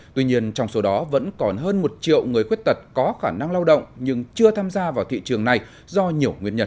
tuy nhiên trong số đó vẫn còn hơn một triệu người khuyết tật có khả năng lao động nhưng chưa tham gia vào thị trường này do nhiều nguyên nhân